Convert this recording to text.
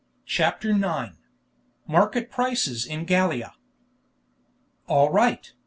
CHAPTER IX MARKET PRICES IN GALLIA "All right!"